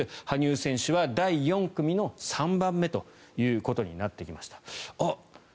羽生選手は第４組の３番目ということになってきました。